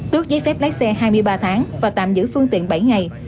tước giấy phép lái xe hai mươi ba tháng và tạm giữ phương tiện bảy ngày